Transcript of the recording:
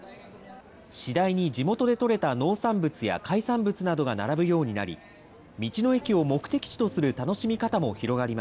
次第に地元で取れた農産物や海産物などが並ぶようになり、道の駅を目的地とする楽しみ方も広がり